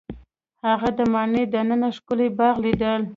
هغه د ماڼۍ دننه ښکلی باغ ولید.